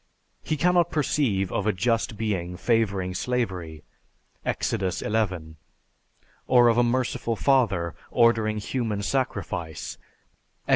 He cannot perceive of a just being favoring slavery (Ex. XI), or of a merciful father ordering human sacrifice (Ex.